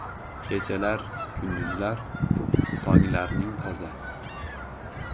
Kechalar, kunduzlar, tonglarning toza